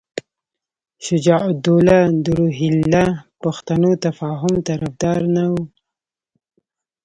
شجاع الدوله د روهیله پښتنو تفاهم طرفدار نه وو.